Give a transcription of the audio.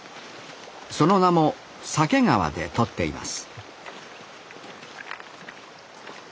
その名も鮭川で取っています